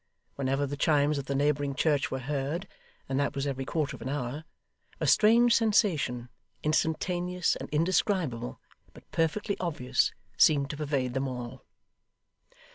Whenever the chimes of the neighbouring church were heard and that was every quarter of an hour a strange sensation, instantaneous and indescribable, but perfectly obvious, seemed to pervade them all.